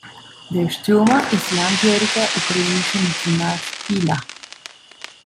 Der Stürmer ist langjähriger ukrainischer Nationalspieler.